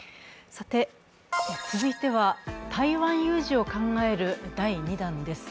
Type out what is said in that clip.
続いては、台湾有事を考える第２弾です。